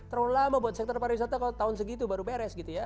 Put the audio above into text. terlalu lama buat sektor pariwisata kalau tahun segitu baru beres gitu ya